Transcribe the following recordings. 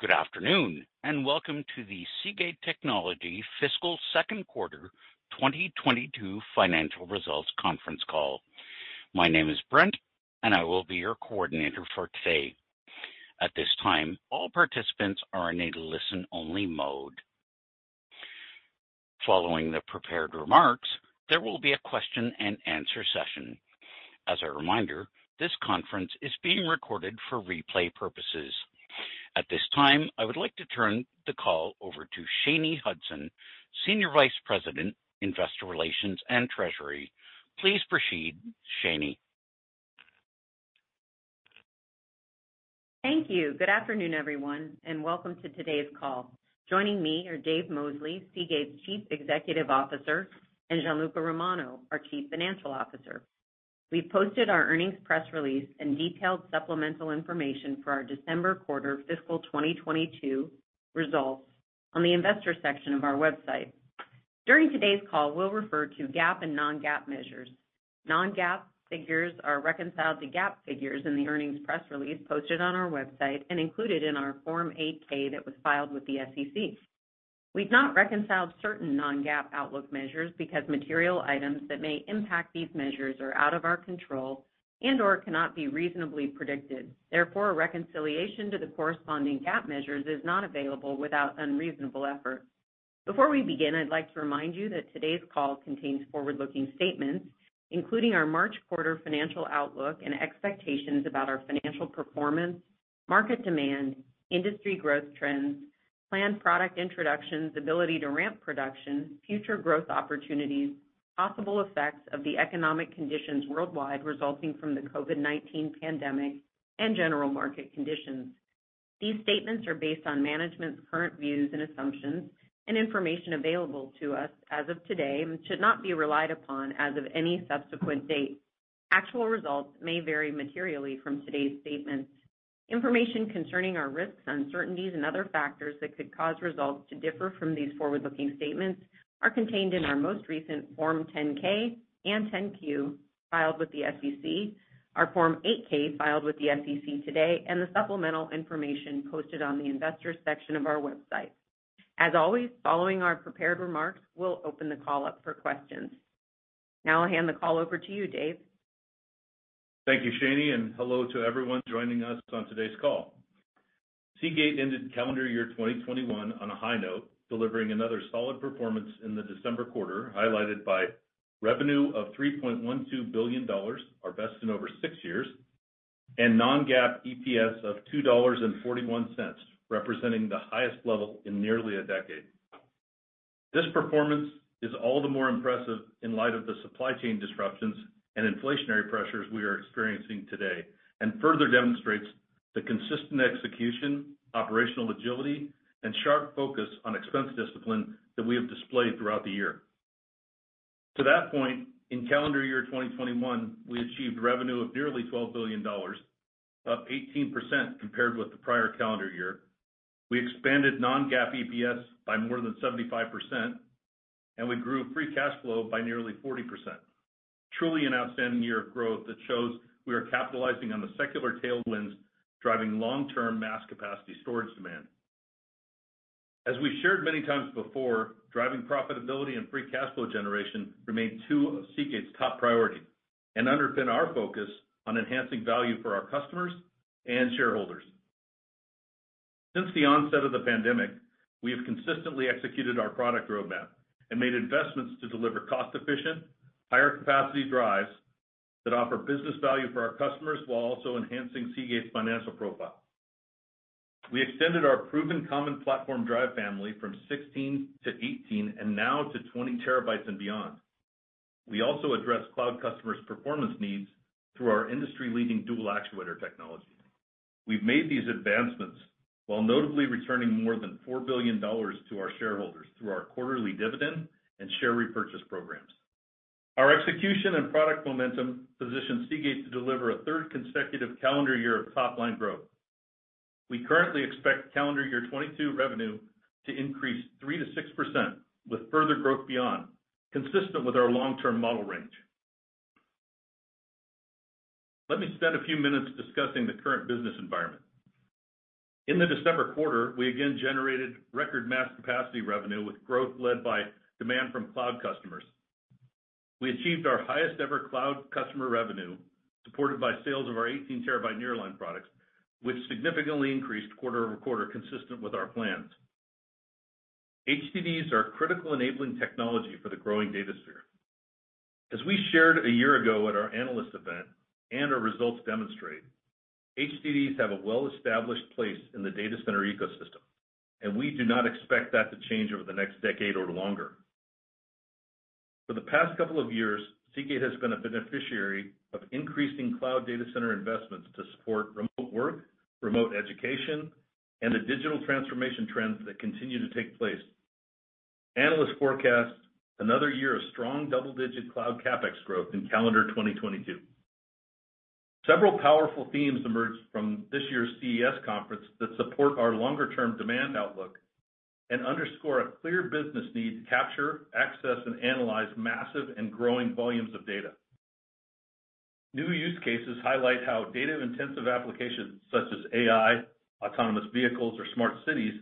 Good afternoon, and welcome to the Seagate Technology Fiscal Second Quarter 2022 financial results conference call. My name is Brent, and I will be your coordinator for today. At this time, all participants are in a listen-only mode. Following the prepared remarks, there will be a question-and-answer session. As a reminder, this conference is being recorded for replay purposes. At this time, I would like to turn the call over to Shanye Hudson, Senior Vice President, Investor Relations and Treasury. Please proceed, Shanye. Thank you. Good afternoon, everyone, and welcome to today's call. Joining me are Dave Mosley, Seagate's Chief Executive Officer, and Gianluca Romano, our Chief Financial Officer. We've posted our earnings press release and detailed supplemental information for our December quarter fiscal 2022 results on the investor section of our website. During today's call, we'll refer to GAAP and non-GAAP measures. Non-GAAP figures are reconciled to GAAP figures in the earnings press release posted on our website and included in our Form 8-K that was filed with the SEC. We've not reconciled certain non-GAAP outlook measures because material items that may impact these measures are out of our control and/or cannot be reasonably predicted. Therefore, a reconciliation to the corresponding GAAP measures is not available without unreasonable effort. Before we begin, I'd like to remind you that today's call contains forward-looking statements, including our March quarter financial outlook and expectations about our financial performance, market demand, industry growth trends, planned product introductions, ability to ramp production, future growth opportunities, possible effects of the economic conditions worldwide resulting from the COVID-19 pandemic, and general market conditions. These statements are based on management's current views and assumptions and information available to us as of today and should not be relied upon as of any subsequent date. Actual results may vary materially from today's statements. Information concerning our risks, uncertainties, and other factors that could cause results to differ from these forward-looking statements are contained in our most recent Form 10-K and 10-Q filed with the SEC, our Form 8-K filed with the SEC today, and the supplemental information posted on the Investors section of our website. As always, following our prepared remarks, we'll open the call up for questions. Now I'll hand the call over to you, Dave. Thank you, Shanye, and hello to everyone joining us on today's call. Seagate ended calendar year 2021 on a high note, delivering another solid performance in the December quarter, highlighted by revenue of $3.12 billion, our best in over six years, and non-GAAP EPS of $2.41, representing the highest level in nearly a decade. This performance is all the more impressive in light of the supply chain disruptions and inflationary pressures we are experiencing today, and further demonstrates the consistent execution, operational agility, and sharp focus on expense discipline that we have displayed throughout the year. To that point, in calendar year 2021, we achieved revenue of nearly $12 billion, up 18% compared with the prior calendar year. We expanded non-GAAP EPS by more than 75%, and we grew free cash flow by nearly 40%. Truly an outstanding year of growth that shows we are capitalizing on the secular tailwinds, driving long-term mass capacity storage demand. As we've shared many times before, driving profitability and free cash flow generation remain two of Seagate's top priority and underpin our focus on enhancing value for our customers and shareholders. Since the onset of the pandemic, we have consistently executed our product roadmap and made investments to deliver cost-efficient, higher-capacity drives that offer business value for our customers while also enhancing Seagate's financial profile. We extended our proven common platform drive family from 16 to 18 and now to 20 TB and beyond. We also address cloud customers' performance needs through our industry-leading dual actuator technology. We've made these advancements while notably returning more than $4 billion to our shareholders through our quarterly dividend and share repurchase programs. Our execution and product momentum positions Seagate to deliver a third consecutive calendar year of top-line growth. We currently expect calendar year 2022 revenue to increase 3%-6% with further growth beyond, consistent with our long-term model range. Let me spend a few minutes discussing the current business environment. In the December quarter, we again generated record mass capacity revenue with growth led by demand from cloud customers. We achieved our highest ever cloud customer revenue, supported by sales of our 18 TB Nearline products, which significantly increased quarter-over-quarter consistent with our plans. HDDs are a critical enabling technology for the growing data sphere. As we shared a year ago at our analyst event and our results demonstrate, HDDs have a well-established place in the data center ecosystem, and we do not expect that to change over the next decade or longer. For the past couple of years, Seagate has been a beneficiary of increasing cloud data center investments to support remote work, remote education, and the digital transformation trends that continue to take place. Analysts forecast another year of strong double-digit cloud CapEx growth in calendar 2022. Several powerful themes emerged from this year's CES conference that support our longer-term demand outlook and underscore a clear business need to capture, access, and analyze massive and growing volumes of data. New use cases highlight how data-intensive applications such as AI, autonomous vehicles or smart cities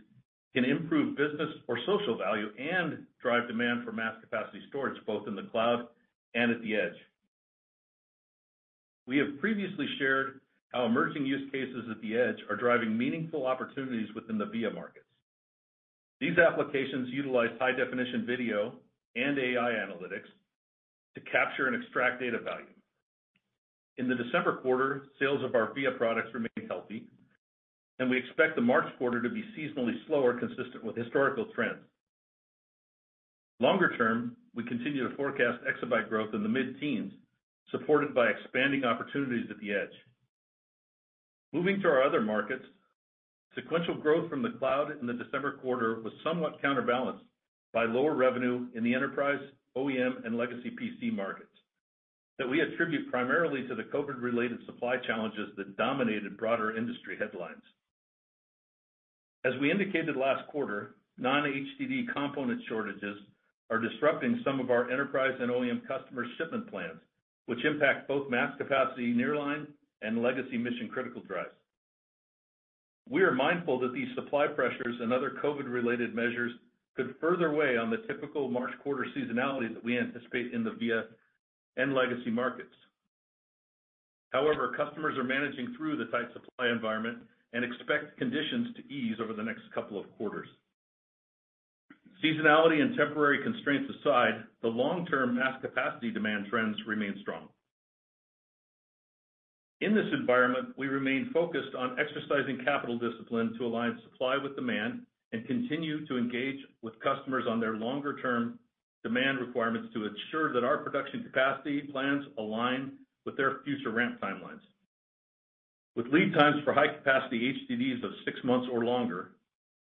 can improve business or social value and drive demand for mass-capacity storage, both in the cloud and at the edge. We have previously shared how emerging use cases at the edge are driving meaningful opportunities within the VIA markets. These applications utilize high-definition video and AI analytics to capture and extract data value. In the December quarter, sales of our VIA products remained healthy, and we expect the March quarter to be seasonally slower, consistent with historical trends. Longer term, we continue to forecast exabyte growth in the mid-teens, supported by expanding opportunities at the edge. Moving to our other markets, sequential growth from the cloud in the December quarter was somewhat counterbalanced by lower revenue in the enterprise OEM and legacy PC markets that we attribute primarily to the COVID-related supply challenges that dominated broader industry headlines. As we indicated last quarter, non-HDD component shortages are disrupting some of our enterprise and OEM customer shipment plans, which impact both mass capacity Nearline and legacy mission-critical drives. We are mindful that these supply pressures and other COVID-related measures could further weigh on the typical March quarter seasonality that we anticipate in the VIA and legacy markets. However, customers are managing through the tight supply environment and expect conditions to ease over the next couple of quarters. Seasonality and temporary constraints aside, the long-term mass capacity demand trends remain strong. In this environment, we remain focused on exercising capital discipline to align supply with demand and continue to engage with customers on their longer term demand requirements to ensure that our production capacity plans align with their future ramp timelines. With lead times for high-capacity HDDs of six months or longer,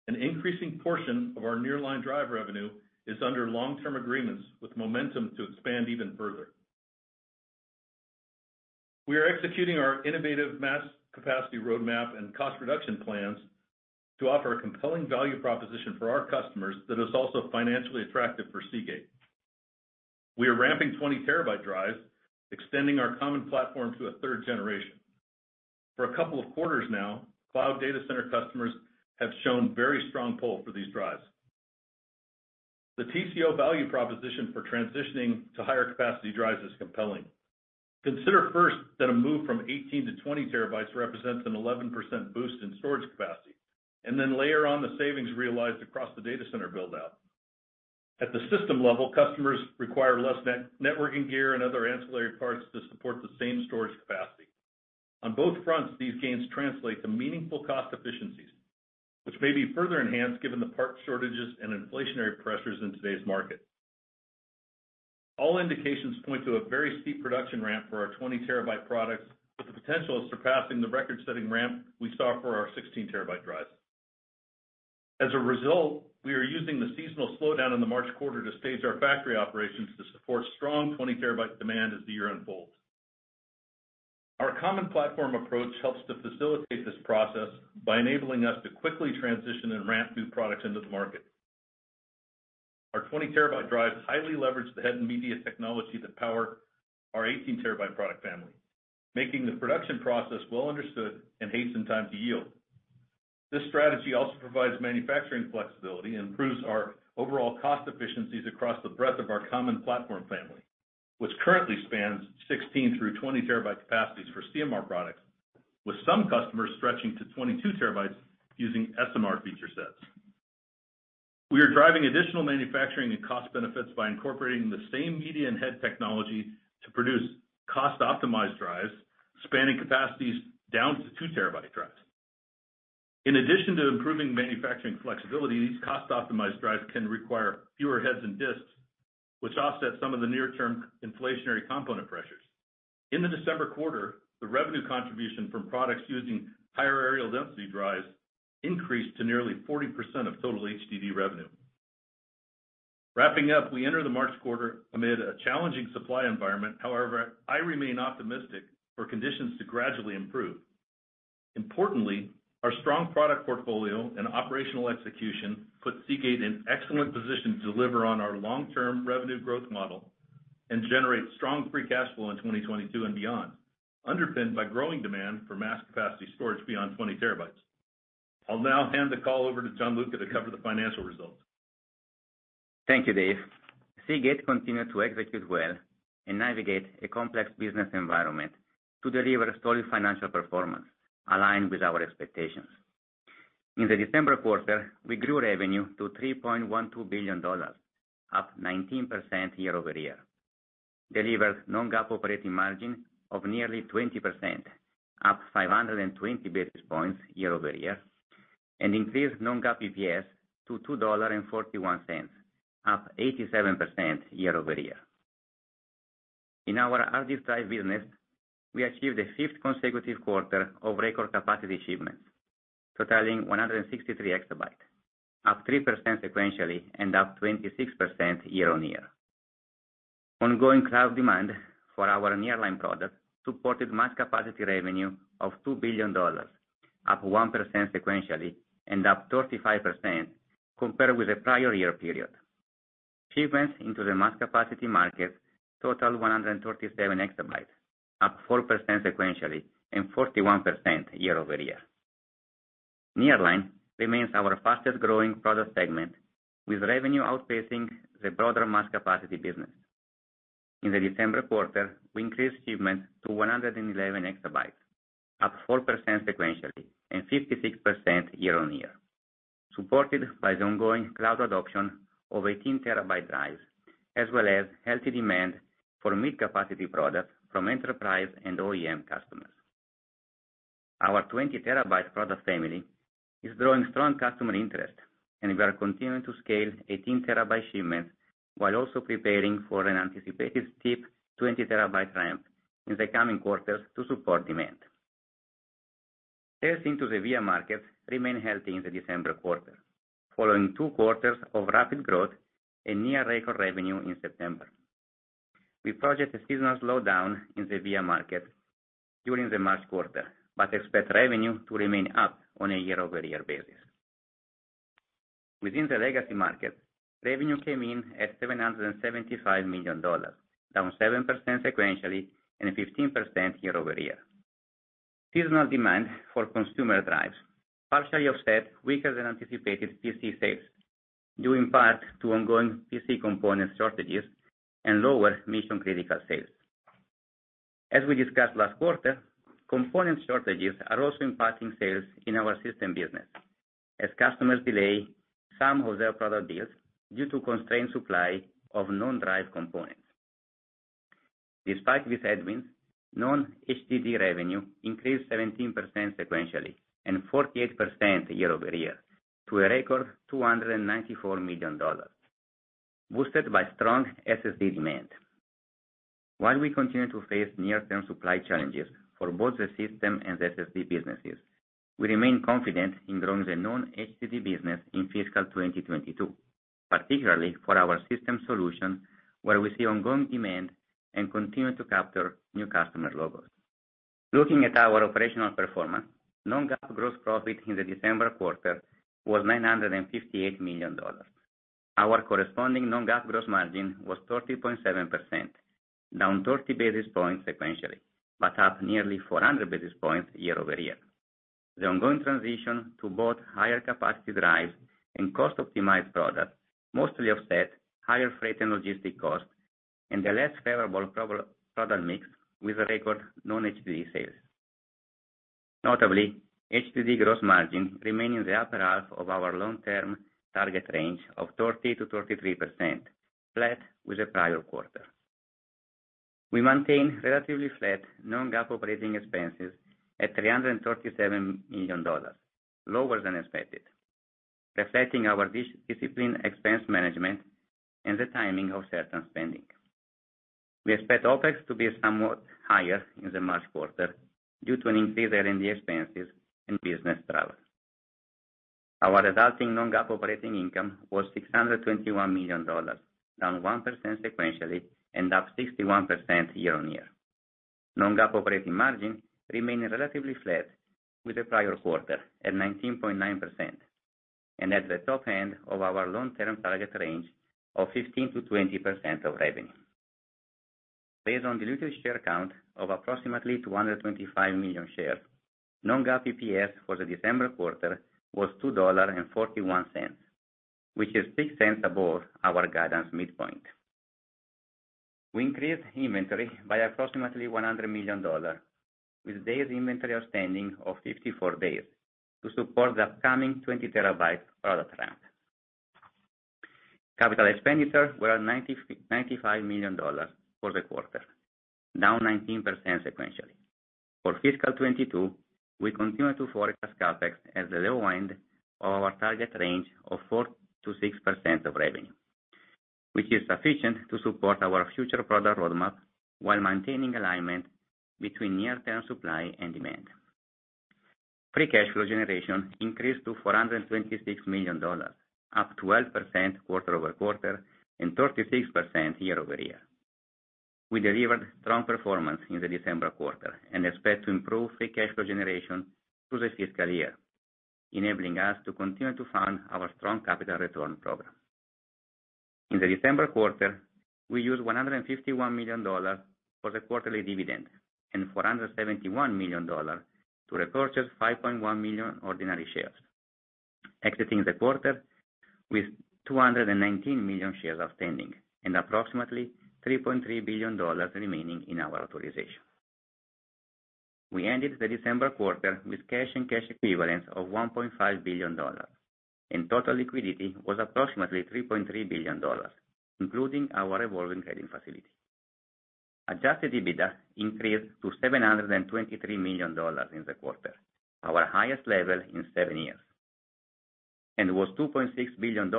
an increasing portion of our Nearline drive revenue is under long-term agreements with momentum to expand even further. We are executing our innovative mass capacity roadmap and cost reduction plans to offer a compelling value proposition for our customers that is also financially attractive for Seagate. We are ramping 20 TB drives, extending our common platform to a third generation. For a couple of quarters now, cloud data center customers have shown very strong pull for these drives. The TCO value proposition for transitioning to higher capacity drives is compelling. Consider first that a move from 18 TB to 20 TB represents an 11% boost in storage capacity, and then layer on the savings realized across the data center build-out. At the system level, customers require less net-networking gear and other ancillary parts to support the same storage capacity. On both fronts, these gains translate to meaningful cost efficiencies, which may be further enhanced given the parts shortages and inflationary pressures in today's market. All indications point to a very steep production ramp for our 20 TB products, with the potential of surpassing the record-setting ramp we saw for our 16 TB drives. As a result, we are using the seasonal slowdown in the March quarter to stage our factory operations to support strong 20 TB demand as the year unfolds. Our common platform approach helps to facilitate this process by enabling us to quickly transition and ramp new products into the market. Our 20 TB drives highly leverage the head and media technology that power our 18 TB product family, making the production process well understood and hastening time to yield. This strategy also provides manufacturing flexibility and improves our overall cost efficiencies across the breadth of our common platform family, which currently spans 16 TB through 20 TB capacities for CMR products, with some customers stretching to 22 TB using SMR feature sets. We are driving additional manufacturing and cost benefits by incorporating the same media and head technology to produce cost-optimized drives, spanning capacities down to 2 TB drives. In addition to improving manufacturing flexibility, these cost optimized drives can require fewer heads and disks, which offset some of the near term inflationary component pressures. In the December quarter, the revenue contribution from products using higher areal density drives increased to nearly 40% of total HDD revenue. Wrapping up, we enter the March quarter amid a challenging supply environment. However, I remain optimistic for conditions to gradually improve. Importantly, our strong product portfolio and operational execution puts Seagate in excellent position to deliver on our long-term revenue growth model and generate strong free cash flow in 2022 and beyond, underpinned by growing demand for mass capacity storage beyond 20 TBs. I'll now hand the call over to Gianluca to cover the financial results. Thank you, Dave. Seagate continued to execute well and navigate a complex business environment to deliver a solid financial performance aligned with our expectations. In the December quarter, we grew revenue to $3.12 billion, up 19% year-over-year. Delivered non-GAAP operating margin of nearly 20%, up 520 basis points year-over-year. Increased non-GAAP EPS to $2.41, up 87% year-over-year. In our hard disk drive business, we achieved a fifth consecutive quarter of record capacity shipments, totaling 163 EB, up 3% sequentially and up 26% year-over-year. Ongoing cloud demand for our Nearline product supported mass capacity revenue of $2 billion, up 1% sequentially and up 35% compared with the prior year period. Shipments into the mass capacity market totaled 137 EB, up 4% sequentially and 41% year-over-year. Nearline remains our fastest-growing product segment, with revenue outpacing the broader mass capacity business. In the December quarter, we increased shipments to 111 EB, up 4% sequentially and 56% year-over-year, supported by the ongoing cloud adoption of 18 TB drives, as well as healthy demand for mid-capacity products from enterprise and OEM customers. Our 20 TB product family is drawing strong customer interest, and we are continuing to scale 18 TB shipments while also preparing for an anticipated steep 20 TB ramp in the coming quarters to support demand. Sales into the VIA markets remained healthy in the December quarter, following two quarters of rapid growth and near-record revenue in September. We project a seasonal slowdown in the VIA market during the March quarter, but expect revenue to remain up on a year-over-year basis. Within the legacy market, revenue came in at $775 million, down 7% sequentially and 15% year-over-year. Seasonal demand for consumer drives partially offset weaker than anticipated PC sales, due in part to ongoing PC component shortages and lower mission-critical sales. As we discussed last quarter, component shortages are also impacting sales in our system business as customers delay some of their product deals due to constrained supply of non-drive components. Despite these headwinds, non-HDD revenue increased 17% sequentially and 48% year-over-year to a record $294 million, boosted by strong SSD demand. While we continue to face near-term supply challenges for both the system and SSD businesses, we remain confident in growing the non-HDD business in fiscal 2022, particularly for our system solution, where we see ongoing demand and continue to capture new customer logos. Looking at our operational performance, non-GAAP gross profit in the December quarter was $958 million. Our corresponding non-GAAP gross margin was 30.7%, down 30 basis points sequentially, but up nearly 400 basis points year-over-year. The ongoing transition to both higher capacity drives and cost-optimized products mostly offset higher freight and logistic costs and a less favorable product mix with record non-HDD sales. Notably, HDD gross margin remained in the upper half of our long-term target range of 30%-33%, flat with the prior quarter. We maintained relatively flat non-GAAP operating expenses at $337 million, lower than expected, reflecting our disciplined expense management and the timing of certain spending. We expect OpEx to be somewhat higher in the March quarter due to an increase in R&D expenses and business travel. Our resulting non-GAAP operating income was $621 million, down 1% sequentially and up 61% year-on-year. Non-GAAP operating margin remained relatively flat with the prior quarter at 19.9% and at the top end of our long-term target range of 15%-20% of revenue. Based on diluted share count of approximately 225 million shares, non-GAAP EPS for the December quarter was $2.41, which is $0.06 above our guidance midpoint. We increased inventory by approximately $100 million with days inventory outstanding of 54 days to support the upcoming 20 TB product ramp. Capital expenditures were $95 million for the quarter, down 19% sequentially. For fiscal 2022, we continue to forecast CapEx at the low end of our target range of 4%-6% of revenue, which is sufficient to support our future product roadmap while maintaining alignment between near-term supply and demand. Free cash flow generation increased to $426 million, up 12% quarter-over-quarter and 36% year-over-year. We delivered strong performance in the December quarter and expect to improve free cash flow generation through the fiscal year, enabling us to continue to fund our strong capital return program. In the December quarter, we used $151 million for the quarterly dividend and $471 million to repurchase 5.1 million ordinary shares, exiting the quarter with 219 million shares outstanding and approximately $3.3 billion remaining in our authorization. We ended the December quarter with cash and cash equivalents of $1.5 billion, and total liquidity was approximately $3.3 billion, including our revolving credit facility. Adjusted EBITDA increased to $723 million in the quarter, our highest level in seven years, and was $2.6 billion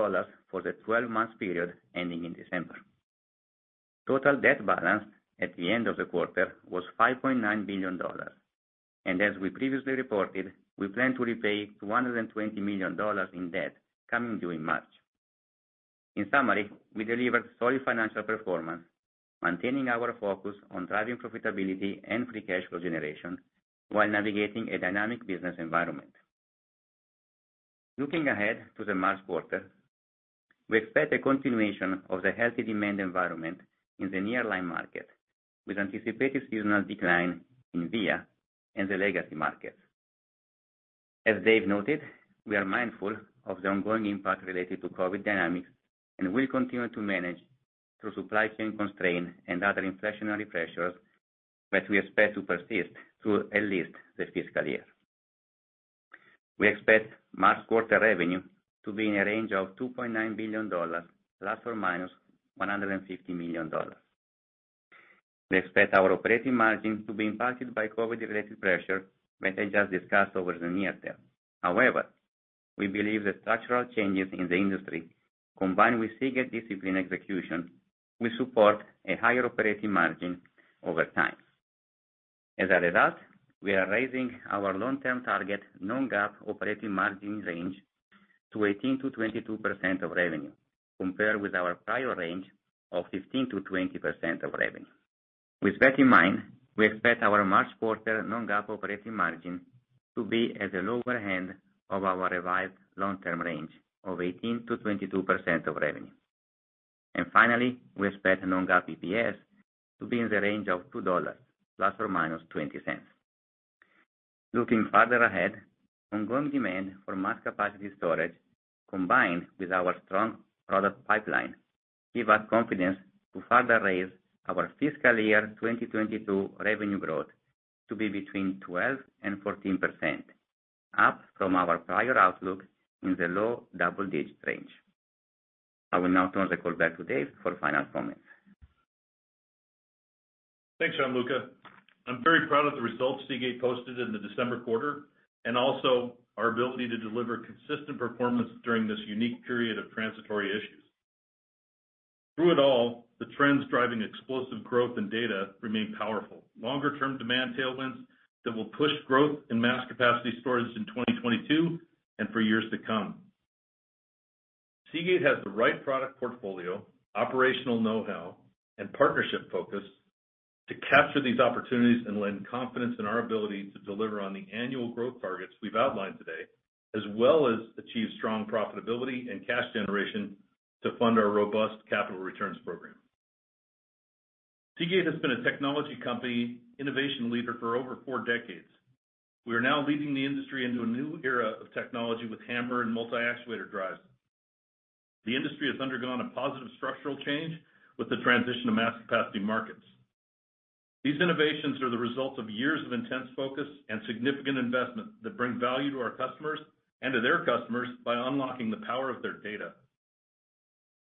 for the 12-month period ending in December. Total debt balance at the end of the quarter was $5.9 billion. As we previously reported, we plan to repay $120 million in debt coming due in March. In summary, we delivered solid financial performance, maintaining our focus on driving profitability and free cash flow generation while navigating a dynamic business environment. Looking ahead to the March quarter, we expect a continuation of the healthy demand environment in the Nearline market, with anticipated seasonal decline in VIA and the legacy markets. As Dave noted, we are mindful of the ongoing impact related to COVID dynamics, and we'll continue to manage through supply chain constraints and other inflationary pressures that we expect to persist through at least the fiscal year. We expect March quarter revenue to be in a range of $2.9 billion ± $150 million. We expect our operating margin to be impacted by COVID-related pressure that I just discussed over the near term. However, we believe the structural changes in the industry, combined with Seagate disciplined execution, will support a higher operating margin over time. As a result, we are raising our long-term target non-GAAP operating margin range to 18%-22% of revenue, compared with our prior range of 15%-20% of revenue. With that in mind, we expect our March quarter non-GAAP operating margin to be at the lower end of our revised long-term range of 18%-22% of revenue. Finally, we expect non-GAAP EPS to be in the range of $2 ± 0.20. Looking farther ahead, ongoing demand for mass capacity storage, combined with our strong product pipeline, give us confidence to further raise our fiscal year 2022 revenue growth to be between 12% and 14%, up from our prior outlook in the low double-digit range. I will now turn the call back to Dave for final comments. Thanks, Gianluca. I'm very proud of the results Seagate posted in the December quarter, and also our ability to deliver consistent performance during this unique period of transitory issues. Through it all, the trends driving explosive growth in data remain powerful, longer-term demand tailwinds that will push growth in mass capacity storage in 2022 and for years to come. Seagate has the right product portfolio, operational know-how, and partnership focus to capture these opportunities and lend confidence in our ability to deliver on the annual growth targets we've outlined today, as well as achieve strong profitability and cash generation to fund our robust capital returns program. Seagate has been a technology company innovation leader for over four decades. We are now leading the industry into a new era of technology with HAMR and multi-actuator drives. The industry has undergone a positive structural change with the transition to mass capacity markets. These innovations are the result of years of intense focus and significant investment that bring value to our customers and to their customers by unlocking the power of their data.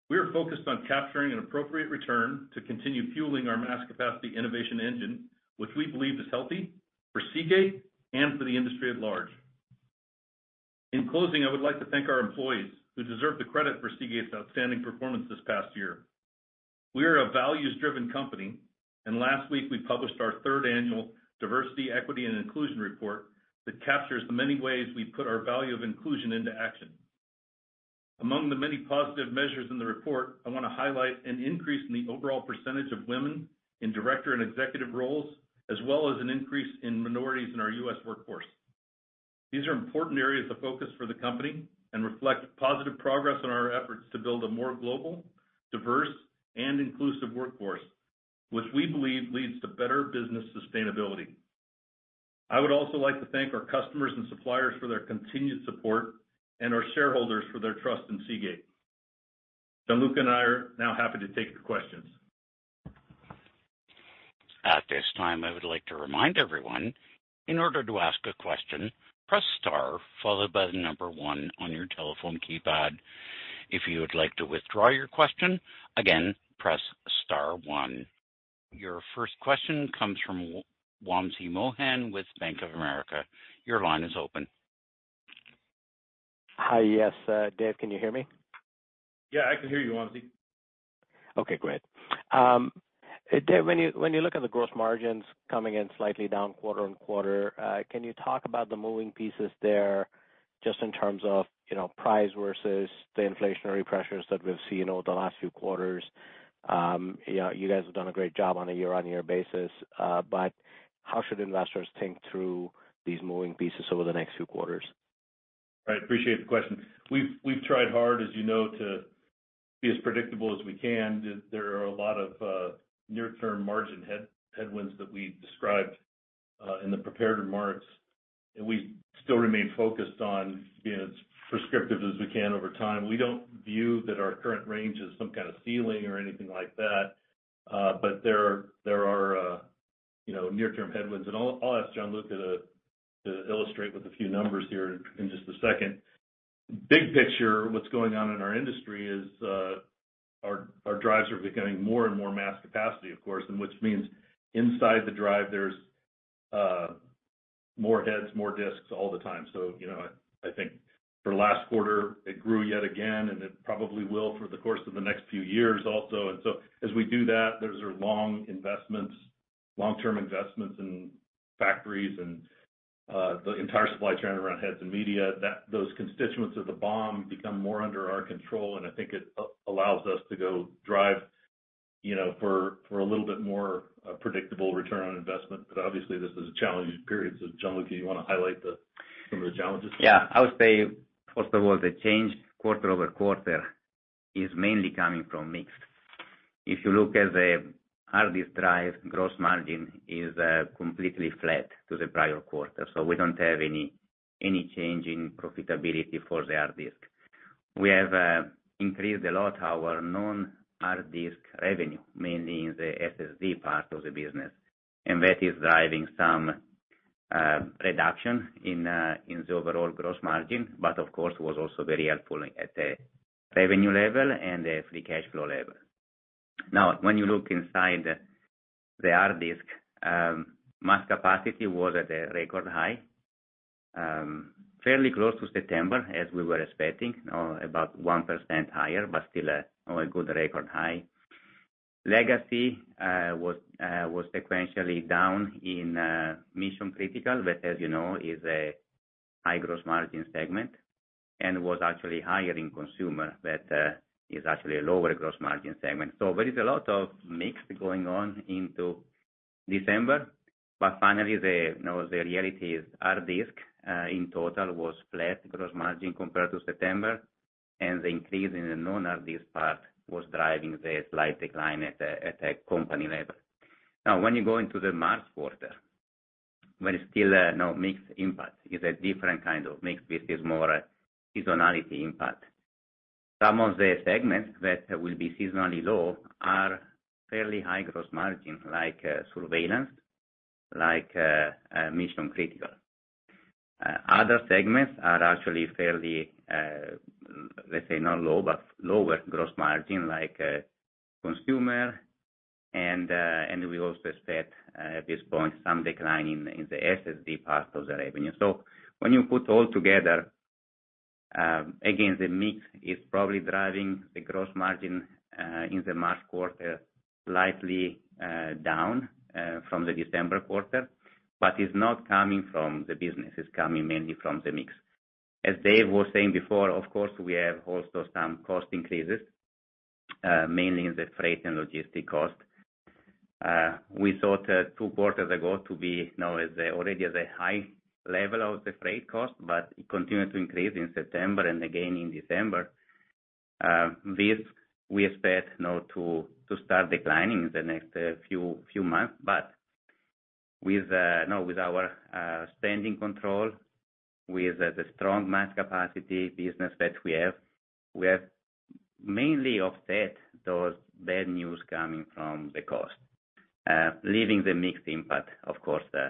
We are focused on capturing an appropriate return to continue fueling our mass capacity innovation engine, which we believe is healthy for Seagate and for the industry at large. In closing, I would like to thank our employees, who deserve the credit for Seagate's outstanding performance this past year. We are a values-driven company, and last week we published our third annual Diversity, Equity, and Inclusion report that captures the many ways we put our value of inclusion into action. Among the many positive measures in the report, I wanna highlight an increase in the overall percentage of women in director and executive roles, as well as an increase in minorities in our U.S. workforce. These are important areas of focus for the company and reflect positive progress in our efforts to build a more global, diverse, and inclusive workforce, which we believe leads to better business sustainability. I would also like to thank our customers and suppliers for their continued support and our shareholders for their trust in Seagate. Gianluca and I are now happy to take your questions. At this time, I would like to remind everyone, in order to ask a question, press star followed by the number one on your telephone keypad. If you would like to withdraw your question, again, press star one. Your first question comes from Wamsi Mohan with Bank of America. Your line is open. Hi. Yes, Dave, can you hear me? Yeah, I can hear you, Wamsi. Okay, great. Dave, when you look at the gross margins coming in slightly down quarter-over-quarter, can you talk about the moving pieces there just in terms of, you know, price versus the inflationary pressures that we've seen over the last few quarters? You guys have done a great job on a year-on-year basis, but how should investors think through these moving pieces over the next few quarters? I appreciate the question. We've tried hard, as you know, to be as predictable as we can. There are a lot of near-term margin headwinds that we described in the prepared remarks, and we still remain focused on being as prescriptive as we can over time. We don't view that our current range is some kinda ceiling or anything like that. But there are, you know, near-term headwinds. I'll ask Gianluca to illustrate with a few numbers here in just a second. Big picture, what's going on in our industry is our drives are becoming more and more mass capacity, of course, and which means inside the drive, there's more heads, more disks all the time. You know, I think for last quarter it grew yet again, and it probably will through the course of the next few years also. As we do that, those are long investments, long-term investments in factories and the entire supply chain around heads and media. Those constituents of the BOM become more under our control, and I think it allows us to go drive you know for a little bit more predictable return on investment. Obviously, this is a challenging period. Gianluca, you want to highlight some of the challenges? Yeah. I would say, first of all, the change quarter-over-quarter is mainly coming from mix. If you look at the hard disk drive, gross margin is completely flat to the prior quarter. We don't have any change in profitability for the hard disk. We have increased a lot our non-hard disk revenue, mainly in the SSD part of the business, and that is driving some reduction in the overall gross margin, but of course it was also very helpful at the revenue level and the free cash flow level. Now, when you look inside the hard disk, mass capacity was at a record high, fairly close to September as we were expecting. About 1% higher, but still a good record high. Legacy was sequentially down in mission-critical, but as you know, is a high gross margin segment, and was actually higher in consumer that is actually a lower gross margin segment. So there is a lot of mix going on into December. But finally, you know, the reality is hard disk in total was flat gross margin compared to September, and the increase in the non-hard disk part was driving the slight decline at a company level. Now, when you go into the March quarter, there is still no mix impact. It's a different kind of mix. This is more seasonality impact. Some of the segments that will be seasonally low are fairly high gross margin like surveillance, like mission critical. Other segments are actually fairly, let's say, not low, but lower gross margin like consumer and we also expect at this point some decline in the SSD part of the revenue. When you put all together, again, the mix is probably driving the gross margin in the March quarter slightly down from the December quarter, but it's not coming from the business, it's coming mainly from the mix. As Dave was saying before, of course, we have also some cost increases, mainly in the freight and logistics costs. We thought two quarters ago that the freight costs were already at a high level, but it continued to increase in September and again in December. We expect this now to start declining in the next few months. With you know, with our spending control, with the strong mass capacity business that we have, we have mainly offset those bad news coming from the cost, leaving the mix impact, of course, the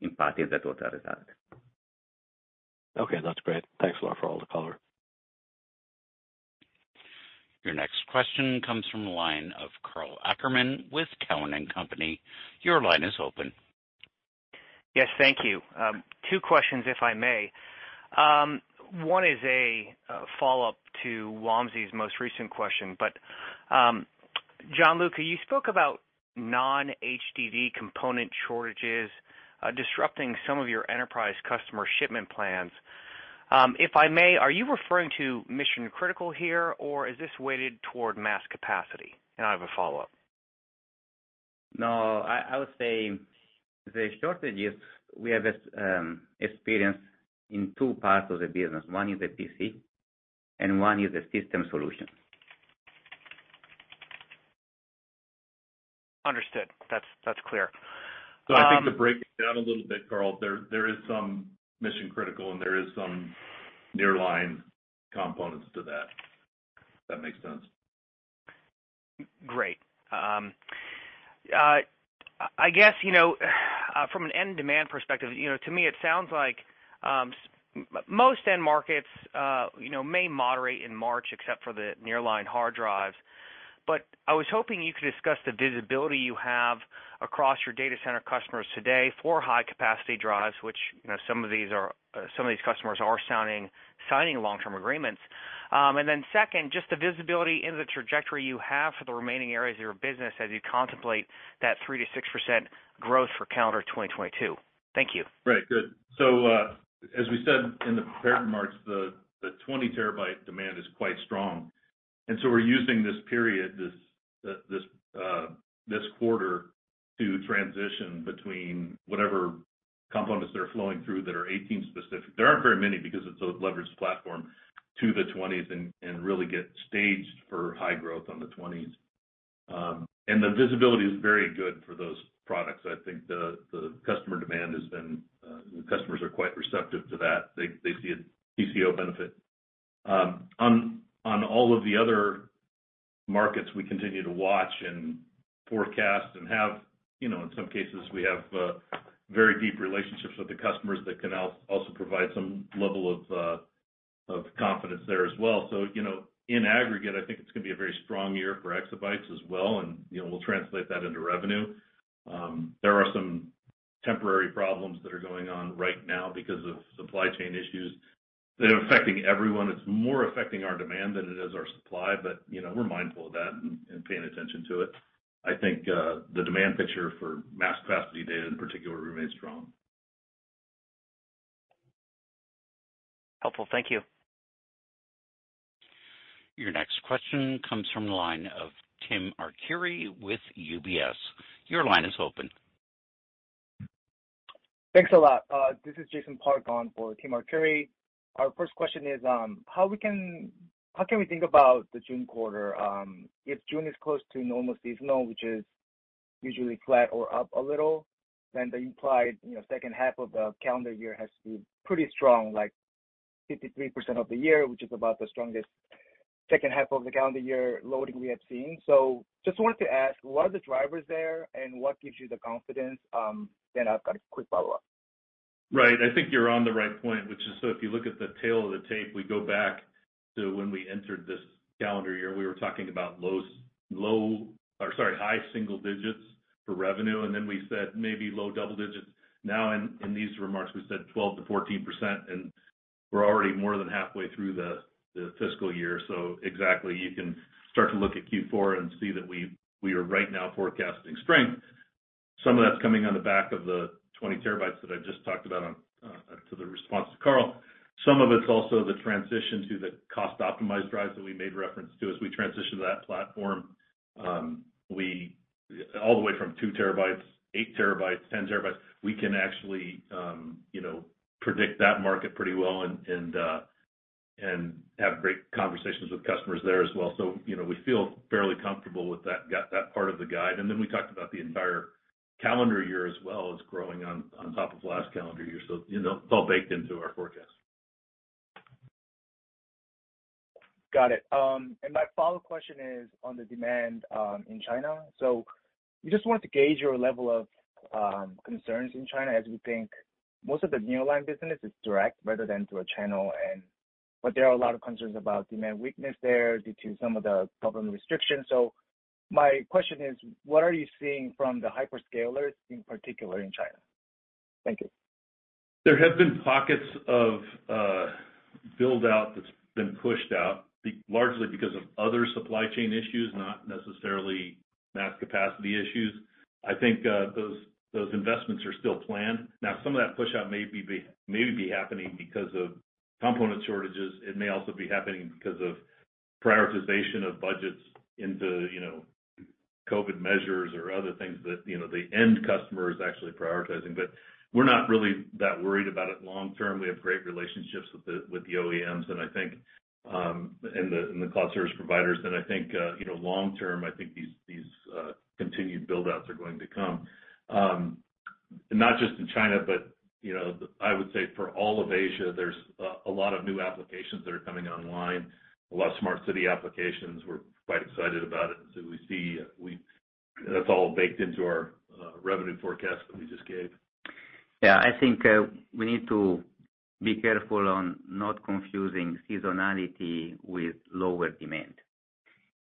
impact in the total result. Okay, that's great. Thanks a lot for all the color. Your next question comes from the line of Karl Ackerman with Cowen and Company. Your line is open. Yes, thank you. Two questions, if I may. One is a follow-up to Wamsi's most recent question. Gianluca, you spoke about non-HDD component shortages disrupting some of your enterprise customer shipment plans. If I may, are you referring to mission-critical here, or is this weighted toward mass capacity? And I have a follow-up. No, I would say the shortages we have experienced in two parts of the business. One is the PC and one is the system solution. Understood. That's clear. I think to break it down a little bit, Karl, there is some mission-critical and there is some Nearline components to that. If that makes sense. Great. I guess, you know, from an end demand perspective, you know, to me it sounds like most end markets, you know, may moderate in March except for the Nearline hard drives. I was hoping you could discuss the visibility you have across your data center customers today for high-capacity drives, which, you know, some of these customers are signing long-term agreements. Second, just the visibility into the trajectory you have for the remaining areas of your business as you contemplate that 3%-6% growth for calendar 2022. Thank you. Right. Good. As we said in the prepared remarks, the 20 TB demand is quite strong. We're using this period, this quarter to transition between whatever components that are flowing through that are 18-specific. There aren't very many because it's a leveraged platform to the 20s and really get staged for high growth on the 20s. The visibility is very good for those products. I think the customer demand has been. The customers are quite receptive to that. They see a TCO benefit. On all of the other markets, we continue to watch and forecast and have, in some cases we have very deep relationships with the customers that can also provide some level of confidence there as well. You know, in aggregate, I think it's gonna be a very strong year for EB as well and, you know, we'll translate that into revenue. There are some temporary problems that are going on right now because of supply chain issues that are affecting everyone. It's more affecting our demand than it is our supply, but, you know, we're mindful of that and paying attention to it. I think the demand picture for mass capacity data in particular remains strong. Helpful. Thank you. Your next question comes from the line of Tim Arcuri with UBS. Your line is open. Thanks a lot. This is Jason Park on for Tim Arcuri. Our first question is, how can we think about the June quarter, if June is close to normal seasonal, which is usually flat or up a little, then the implied, you know, second half of the calendar year has to be pretty strong, like 53% of the year, which is about the strongest second half of the calendar year loading we have seen. Just wanted to ask, what are the drivers there and what gives you the confidence? Then I've got a quick follow-up. Right. I think you're on the right point, which is if you look at the tail of the tape, we go back to when we entered this calendar year, we were talking about high single digits for revenue, and then we said maybe low double digits. Now in these remarks, we said 12%-14%, and we're already more than halfway through the fiscal year. Exactly, you can start to look at Q4 and see that we are right now forecasting strength. Some of that's coming on the back of the 20 TB that I just talked about on to the response to Karl. Some of it's also the transition to the cost-optimized drives that we made reference to. As we transition to that platform, we... All the way from 2 TB, 8 TB, 10 TB, we can actually, you know, predict that market pretty well and have great conversations with customers there as well. You know, we feel fairly comfortable with that part of the guide. Then we talked about the entire calendar year as well is growing on top of last calendar year. You know, it's all baked into our forecast. Got it. My follow-up question is on the demand in China. We just wanted to gauge your level of concerns in China as we think most of the Nearline business is direct rather than through a channel and there are a lot of concerns about demand weakness there due to some of the government restrictions. My question is, what are you seeing from the hyperscalers in particular in China? Thank you. There have been pockets of build-out that's been pushed out largely because of other supply chain issues, not necessarily mass capacity issues. I think those investments are still planned. Now, some of that push out may be happening because of component shortages. It may also be happening because of prioritization of budgets into, you know, COVID measures or other things that, you know, the end customer is actually prioritizing. But we're not really that worried about it long term. We have great relationships with the OEMs, and I think and the cloud service providers. I think you know long term, I think these continued build-outs are going to come. Not just in China, but you know, I would say for all of Asia, there's a lot of new applications that are coming online, a lot of smart city applications. We're quite excited about it. That's all baked into our revenue forecast that we just gave. Yeah, I think we need to be careful on not confusing seasonality with lower demand.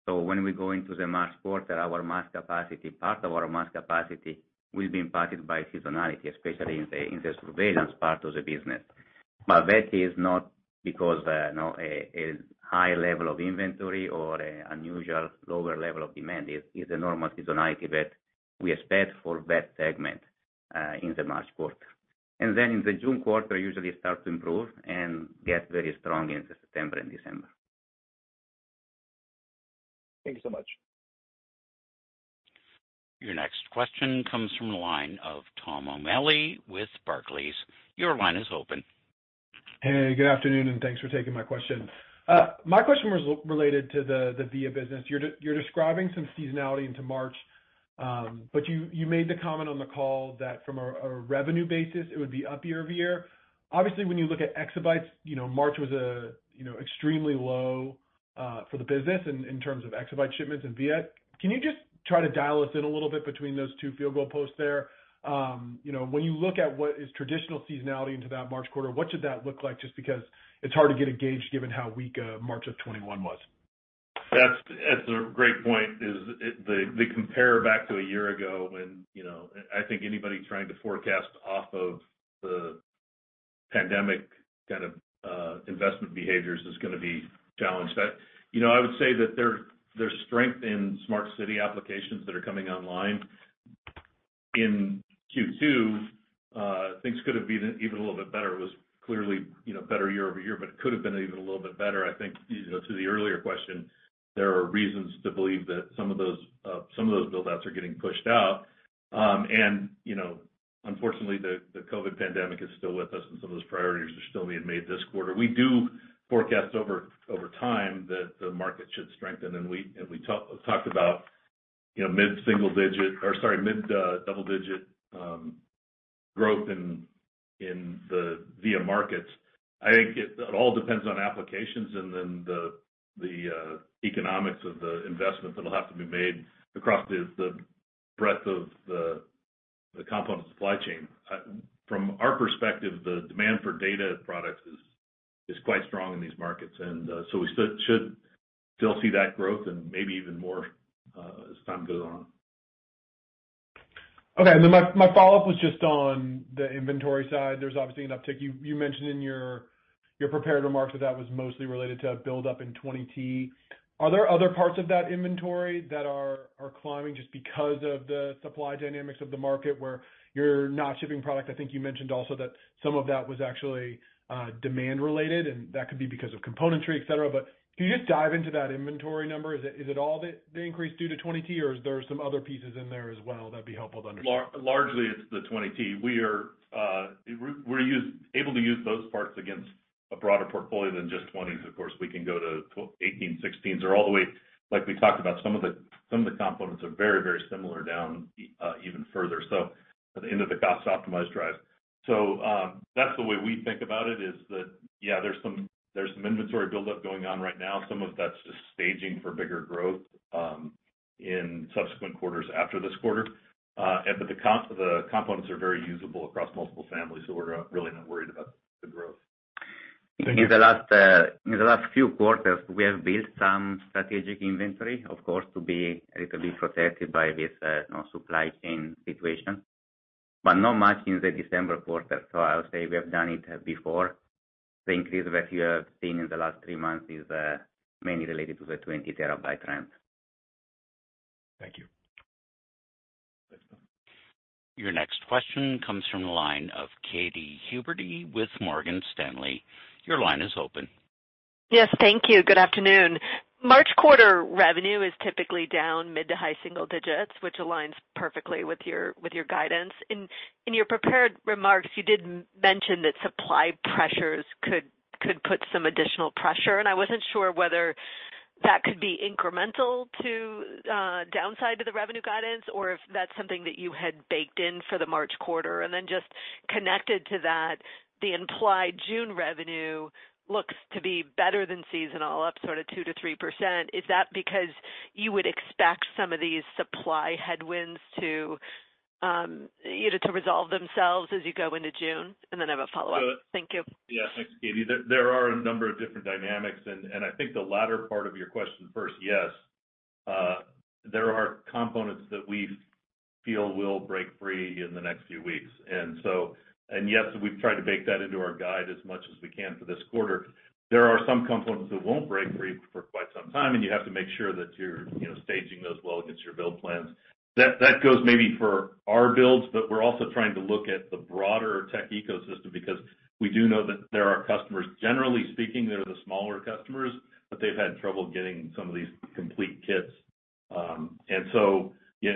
When we go into the March quarter, our mass capacity, part of our mass capacity will be impacted by seasonality, especially in the industrial surveillance part of the business. That is not because, you know, a high level of inventory or an unusual lower level of demand. It's a normal seasonality that we expect for that segment in the March quarter. In the June quarter, usually start to improve and get very strong in September and December. Thank you so much. Your next question comes from the line of Tom O'Malley with Barclays. Your line is open. Hey, good afternoon, and thanks for taking my question. My question was related to the VIA business. You're describing some seasonality into March, but you made the comment on the call that from a revenue basis it would be up year-over-year. Obviously, when you look at exabytes, you know, March was a, you know, extremely low for the business in terms of exabyte shipments in VIA. Can you just try to dial us in a little bit between those two field goal posts there? You know, when you look at what is traditional seasonality into that March quarter, what should that look like just because it's hard to get a gauge given how weak March of 2021 was. That's a great point. The comp back to a year ago when you know I think anybody trying to forecast off of the pandemic kind of investment behaviors is gonna be challenged. You know, I would say that there's strength in smart city applications that are coming online. In Q2, things could have been even a little bit better. It was clearly you know better year-over-year, but it could have been even a little bit better. I think you know to the earlier question, there are reasons to believe that some of those build-outs are getting pushed out. You know, unfortunately, the COVID pandemic is still with us and some of those priorities are still being made this quarter. We forecast over time that the market should strengthen, and we talked about, you know, double digit growth in the VIA markets. I think it all depends on applications and then the economics of the investments that'll have to be made across the breadth of the component supply chain. From our perspective, the demand for data products is quite strong in these markets. We still should see that growth and maybe even more as time goes on. My follow-up was just on the inventory side. There's obviously an uptick. You mentioned in your prepared remarks that that was mostly related to a build up in 20T. Are there other parts of that inventory that are climbing just because of the supply dynamics of the market where you're not shipping product? I think you mentioned also that some of that was actually demand related, and that could be because of componentry, et cetera. But can you just dive into that inventory number? Is it all the increase due to 20T, or is there some other pieces in there as well that'd be helpful to understand? Largely, it's the 20 TB. We're able to use those parts against a broader portfolio than just 20s. Of course, we can go to 18, 16s, or all the way, like we talked about, some of the components are very similar down even further to the cost-optimized drive. That's the way we think about it, is that, yeah, there's some inventory buildup going on right now. Some of that's just staging for bigger growth in subsequent quarters after this quarter. But the components are very usable across multiple families, so we're really not worried about the growth. Thank you. In the last few quarters, we have built some strategic inventory, of course, to be a little bit protected by this, you know, supply chain situation, but not much in the December quarter. I'll say we have done it before. The increase that you have seen in the last three months is mainly related to the 20 TB trend. Thank you. Yes. Your next question comes from the line of Katy Huberty with Morgan Stanley. Your line is open. Yes, thank you. Good afternoon. March quarter revenue is typically down mid to high single digits, which aligns perfectly with your guidance. In your prepared remarks, you did mention that supply pressures could put some additional pressure, and I wasn't sure whether that could be incremental to downside to the revenue guidance or if that's something that you had baked in for the March quarter. Just connected to that, the implied June revenue looks to be better than seasonal, up sort of 2%-3%. Is that because you would expect some of these supply headwinds to either to resolve themselves as you go into June? I have a follow-up. Thank you. Yeah. Thanks, Katie. There are a number of different dynamics, and I think the latter part of your question first, yes, there are components that we feel will break free in the next few weeks. Yes, we've tried to bake that into our guide as much as we can for this quarter. There are some components that won't break free for quite some time, and you have to make sure that you're, you know, staging those well against your build plans. That goes maybe for our builds, but we're also trying to look at the broader tech ecosystem because we do know that there are customers, generally speaking, they're the smaller customers, but they've had trouble getting some of these complete kits. Yeah,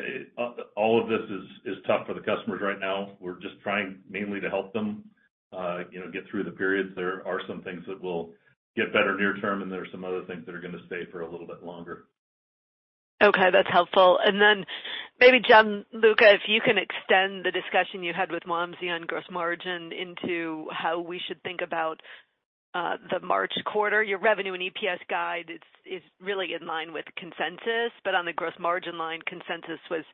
all of this is tough for the customers right now. We're just trying mainly to help them, you know, get through the periods. There are some things that will get better near term, and there are some other things that are gonna stay for a little bit longer. Okay, that's helpful. Maybe, Gianluca, if you can extend the discussion you had with Wamsi on gross margin into how we should think about the March quarter. Your revenue and EPS guide is really in line with consensus, but on the gross margin line, consensus was,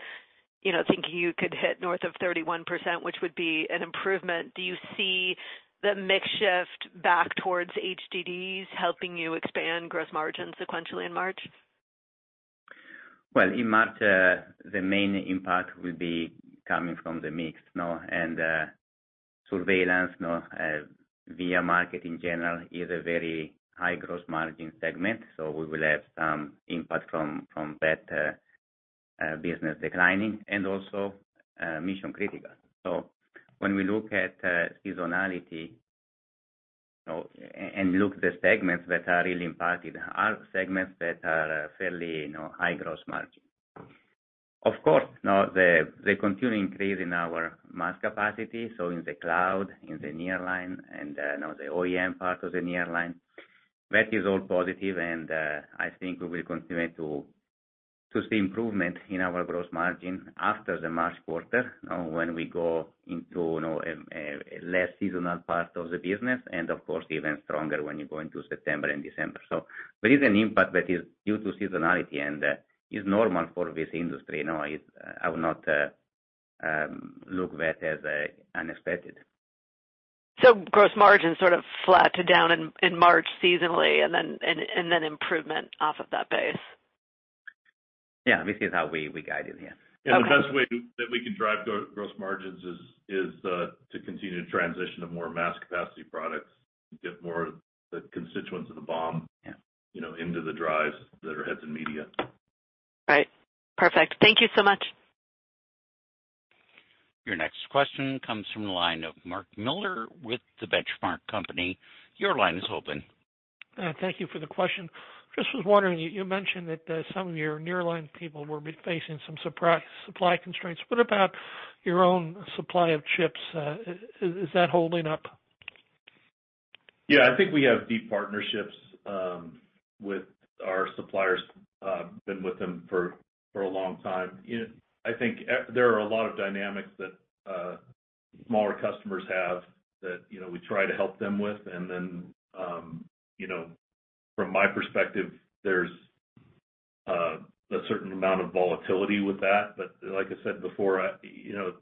you know, thinking you could hit north of 31%, which would be an improvement. Do you see the mix shift back towards HDDs helping you expand gross margin sequentially in March? Well, in March, the main impact will be coming from the mix. Surveillance video market in general is a very high gross margin segment, so we will have some impact from that business declining and also mission critical. When we look at seasonality, you know, and look, the segments that are really impacted are segments that are fairly, you know, high gross margin. Of course, now the continuing increase in our mass capacity, so in the cloud, in the Nearline and now the OEM part of the Nearline, that is all positive and I think we will continue to see improvement in our gross margin after the March quarter, you know, when we go into, you know, a less seasonal part of the business and of course even stronger when you go into September and December. There is an impact that is due to seasonality and is normal for this industry, you know. I would not look at that as unexpected. Gross margin sort of flat to down in March seasonally and then improvement off of that base. Yeah. This is how we guide it, yeah. Okay. The best way that we can drive gross margins is to continue to transition to more mass capacity products, get more of the constituents of the BOM Yeah. you know, into the drives that are heads and media. All right. Perfect. Thank you so much. Your next question comes from the line of Mark Miller with the Benchmark Company. Your line is open. Thank you for the question. Just was wondering, you mentioned that some of your Nearline people were facing some supply constraints. What about your own supply of chips? Is that holding up? Yeah. I think we have deep partnerships with our suppliers, been with them for a long time. You know, I think there are a lot of dynamics that smaller customers have that, you know, we try to help them with. Then, you know, from my perspective, there's a certain amount of volatility with that. Like I said before, you know,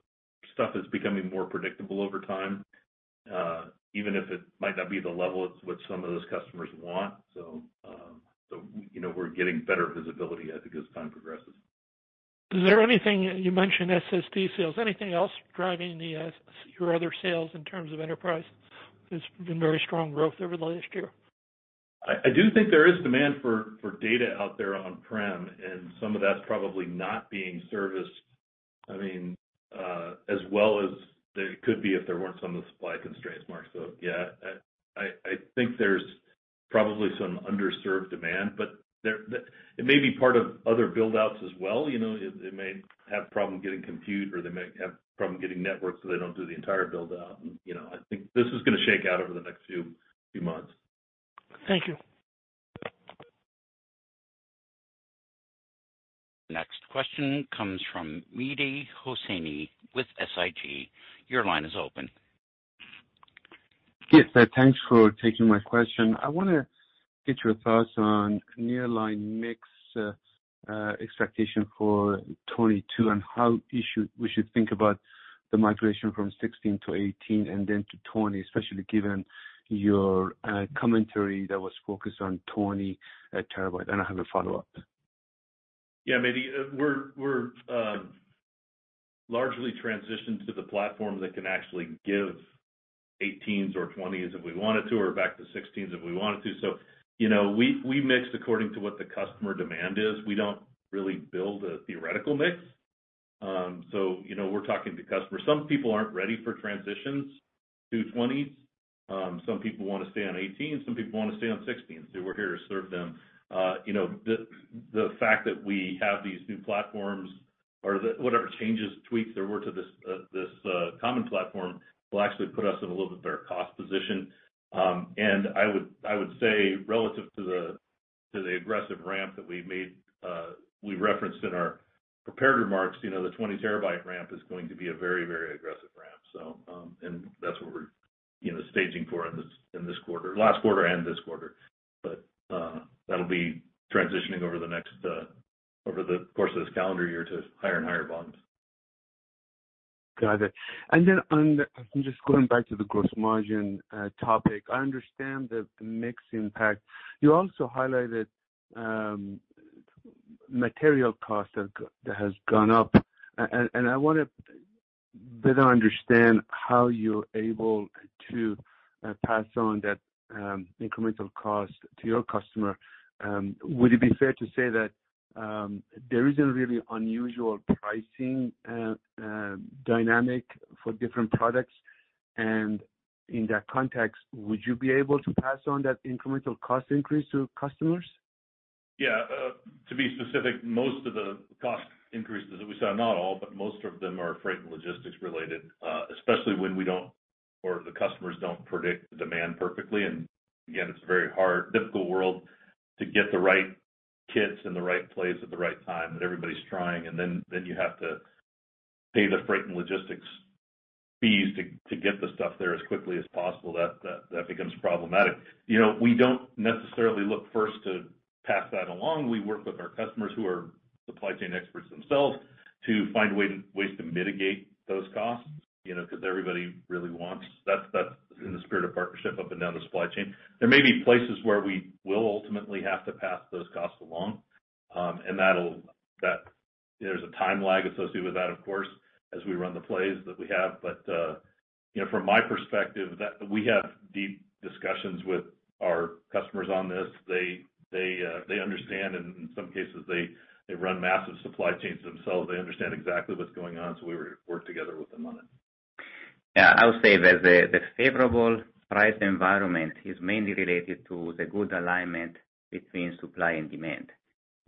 stuff is becoming more predictable over time, even if it might not be the level at what some of those customers want. You know, we're getting better visibility as time progresses. Is there anything? You mentioned SSD sales. Anything else driving the, your other sales in terms of enterprise? It's been very strong growth over the last year. I do think there is demand for data out there on-prem, and some of that's probably not being serviced, I mean, as well as they could be if there weren't some of the supply constraints, Mark. Yeah. I think there's probably some underserved demand, but it may be part of other build outs as well. You know, it may have a problem getting compute or they may have a problem getting network, so they don't do the entire build out. You know, I think this is gonna shake out over the next few months. Thank you. Next question comes from Mehdi Hosseini with SIG. Your line is open. Yes. Thanks for taking my question. I wanna get your thoughts on Nearline mix, expectation for 2022 and how we should think about the migration from 16 to 18 and then to 20, especially given your commentary that was focused on 20 TB. I have a follow-up. Yeah, Mehdi, we're largely transitioned to the platform that can actually give 18s or 20s if we wanted to, or back to 16s if we wanted to. So, you know, we mix according to what the customer demand is. We don't really build a theoretical mix. So, you know, we're talking to customers. Some people aren't ready for transitions to 20s. Some people wanna stay on 18, some people wanna stay on 16, so we're here to serve them. You know, the fact that we have these new platforms or whatever changes, tweaks there were to this common platform will actually put us in a little bit better cost position. I would say relative to the aggressive ramp that we made, we referenced in our prepared remarks, you know, the 20 TB ramp is going to be a very, very aggressive ramp. That's what we're, you know, staging for in this quarter, last quarter and this quarter. That'll be transitioning over the course of this calendar year to higher and higher volumes. Got it. Just going back to the gross margin topic. I understand the mix impact. You also highlighted material costs that has gone up. I wanna better understand how you're able to pass on that incremental cost to your customer. Would it be fair to say that there is a really unusual pricing dynamic for different products? In that context, would you be able to pass on that incremental cost increase to customers? Yeah. To be specific, most of the cost increases that we saw, not all, but most of them are freight and logistics related, especially when we don't or the customers don't predict the demand perfectly. Again, it's a very hard, difficult world to get the right kits in the right place at the right time, and everybody's trying. Then you have to pay the freight and logistics fees to get the stuff there as quickly as possible. That becomes problematic. You know, we don't necessarily look first to pass that along. We work with our customers who are supply chain experts themselves to find ways to mitigate those costs, you know, 'cause everybody really wants. That's in the spirit of partnership up and down the supply chain. There may be places where we will ultimately have to pass those costs along. That there's a time lag associated with that, of course, as we run the plays that we have. You know, from my perspective, that we have deep discussions with our customers on this. They understand, and in some cases, they run massive supply chains themselves. They understand exactly what's going on, so we work together with them on it. Yeah. I would say that the favorable price environment is mainly related to the good alignment between supply and demand.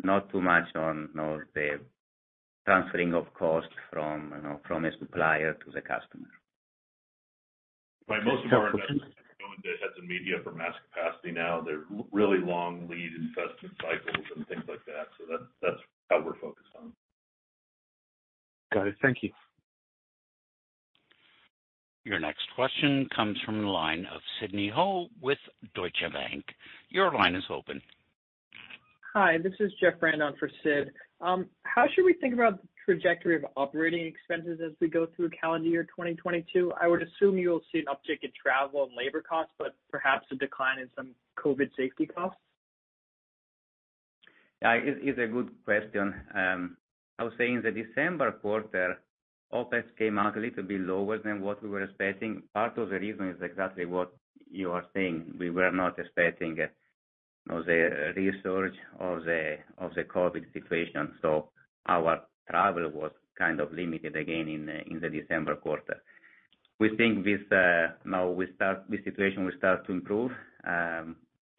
Not too much on, you know, the transferring of cost from, you know, from a supplier to the customer. Thanks for- Most of our investments are going to heads of media for mass capacity now. They're really long lead investment cycles and things like that. That's how we're focused on. Got it. Thank you. Your next question comes from the line of Sidney Ho with Deutsche Bank. Your line is open. Hi, this is Jeff Rand for Sid. How should we think about the trajectory of operating expenses as we go through calendar year 2022? I would assume you'll see an uptick in travel and labor costs, but perhaps a decline in some COVID safety costs. Yeah. It's a good question. I would say in the December quarter, OpEx came out a little bit lower than what we were expecting. Part of the reason is exactly what you are saying. We were not expecting, you know, the resurgence of the COVID situation, so our travel was kind of limited again in the December quarter. We think now that the situation will start to improve,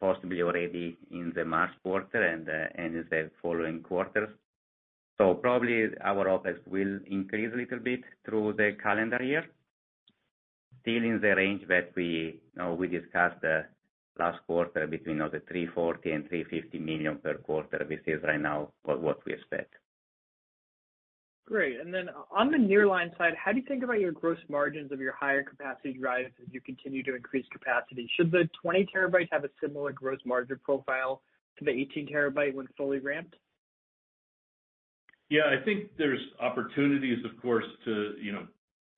possibly already in the March quarter and the following quarters. Probably our OpEx will increase a little bit through the calendar year. Still in the range that we, you know, we discussed last quarter between, you know, $340 million-$350 million per quarter. This is right now what we expect. Great. On the Nearline side, how do you think about your gross margins of your higher capacity drives as you continue to increase capacity? Should the 20 TB have a similar gross margin profile to the 18 TB when fully ramped? Yeah, I think there's opportunities, of course, to, you know,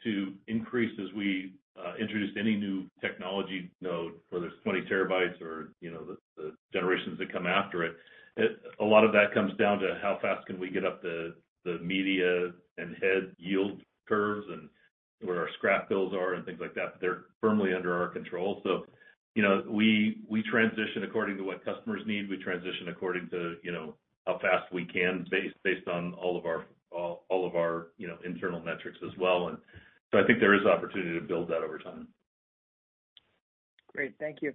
to increase as we introduce any new technology node, whether it's 20 TB or, you know, the generations that come after it. A lot of that comes down to how fast can we get up the media and head yield curves and where our scrap builds are and things like that. They're firmly under our control. You know, we transition according to what customers need. We transition according to, you know, how fast we can based on all of our internal metrics as well. I think there is opportunity to build that over time. Great. Thank you.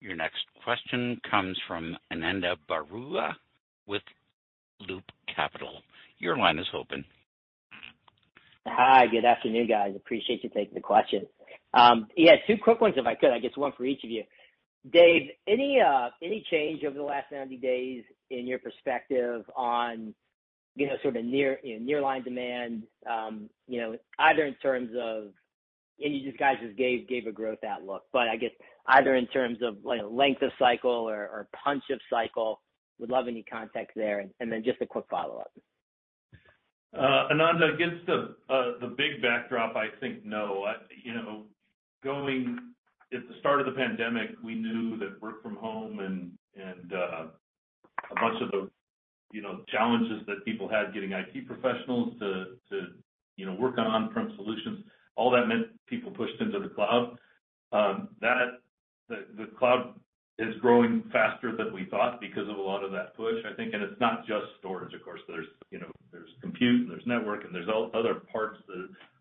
Your next question comes from Ananda Baruah with Loop Capital. Your line is open. Hi, good afternoon, guys. Appreciate you taking the question. Yeah, two quick ones if I could. I guess one for each of you. Dave, any change over the last 90 days in your perspective on, you know, sort of Nearline demand, you know, either in terms of. You guys just gave a growth outlook, but I guess either in terms of like length of cycle or punch of cycle, would love any context there. Then just a quick follow-up. Ananda, against the big backdrop, I think no. You know, going at the start of the pandemic, we knew that work from home and a bunch of the challenges that people had getting IT professionals to work on on-prem solutions, all that meant people pushed into the cloud. The cloud is growing faster than we thought because of a lot of that push, I think, and it's not just storage, of course. You know, there's compute, and there's network, and there's other parts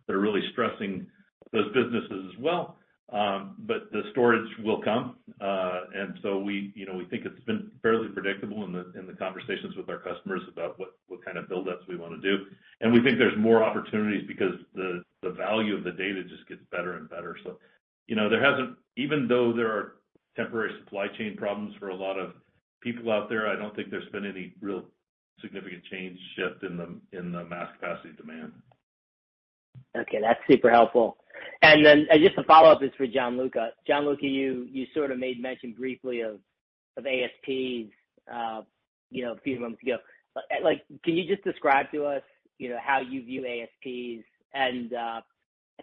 that are really stressing those businesses as well. The storage will come. We you know, we think it's been fairly predictable in the conversations with our customers about what kind of build ups we wanna do. We think there's more opportunities because the value of the data just gets better and better. You know, even though there are temporary supply chain problems for a lot of people out there, I don't think there's been any real significant change shift in the mass capacity demand. Okay, that's super helpful. Just a follow-up is for Gianluca. Gianluca, you sort of made mention briefly of ASPs, you know, a few months ago. Like can you just describe to us, you know, how you view ASPs?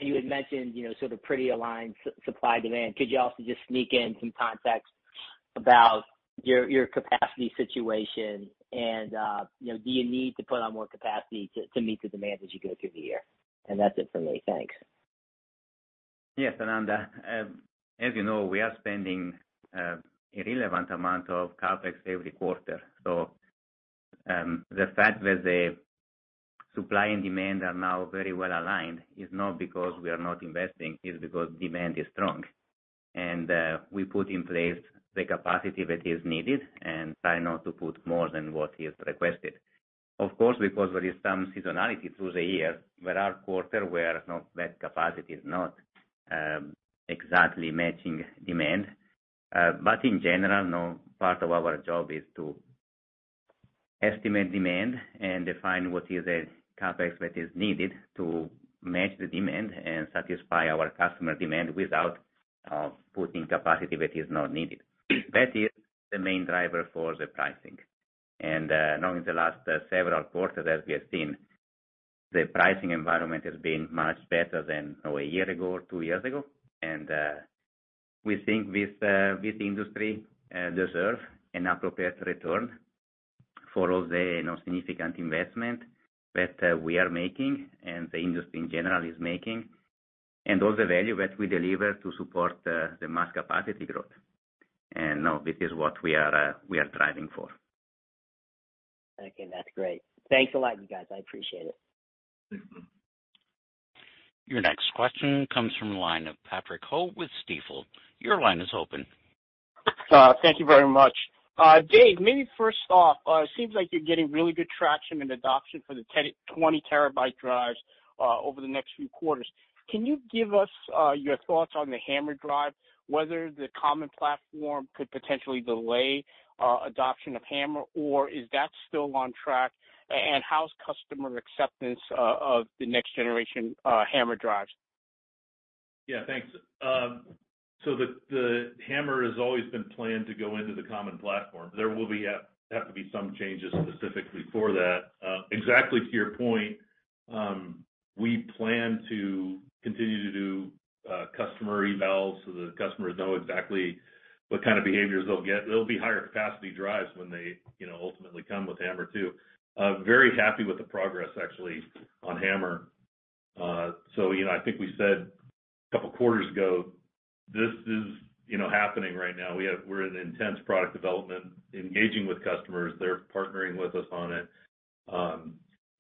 You had mentioned, you know, sort of pretty aligned supply demand. Could you also just sneak in some context about your capacity situation and, you know, do you need to put on more capacity to meet the demand as you go through the year? That's it for me. Thanks. Yes, Ananda. As you know, we are spending a relevant amount of CapEx every quarter. The fact that the supply and demand are now very well aligned is not because we are not investing. It is because demand is strong. We put in place the capacity that is needed and try not to put more than what is requested. Of course, because there is some seasonality throughout the year, there are quarters where that capacity is not exactly matching demand. But in general, no, part of our job is to estimate demand and define what is the CapEx that is needed to match the demand and satisfy our customer demand without putting capacity that is not needed. That is the main driver for the pricing. Now in the last several quarters as we have seen, the pricing environment has been much better than, you know, a year ago or two years ago. We think this industry deserve an appropriate return for all the, you know, significant investment that we are making and the industry in general is making, and all the value that we deliver to support the mass capacity growth. Now this is what we are driving for. Okay. That's great. Thanks a lot, you guys. I appreciate it. Thank you. Your next question comes from the line of Patrick Ho with Stifel. Your line is open. Thank you very much. Dave, maybe first off, seems like you're getting really good traction and adoption for the 20 TB drives over the next few quarters. Can you give us your thoughts on the HAMR drive, whether the common platform could potentially delay adoption of HAMR, or is that still on track? And how's customer acceptance of the next generation HAMR drives? Yeah, thanks. The HAMR has always been planned to go into the common platform. There will have to be some changes specifically for that. Exactly to your point, we plan to continue to do customer evals so the customers know exactly what kind of behaviors they'll get. They'll be higher capacity drives when they, you know, ultimately come with HAMR too. Very happy with the progress actually on HAMR. You know, I think we said a couple quarters ago, this is, you know, happening right now. We're in intense product development, engaging with customers. They're partnering with us on it.